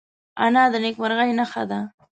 انا د نیکمرغۍ نښه ده